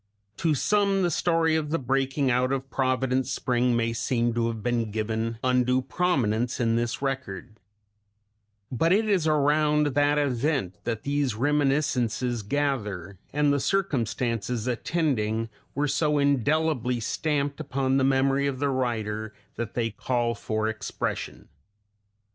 To some the story of the breaking out of Providence Spring may seem to have been given undue prominence in this record; but it is around that event that these reminiscences gather, and the circumstances attending were so indelibly stamped upon the memory of the writer that they call for expression.